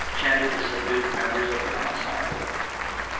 chanted the subdued members of the ensemble.